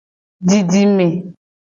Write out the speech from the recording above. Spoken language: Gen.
Didime.